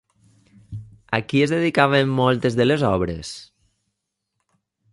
A qui es dedicaven moltes de les obres?